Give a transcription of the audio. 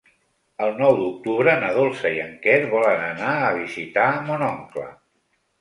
El nou d'octubre na Dolça i en Quer volen anar a visitar mon oncle.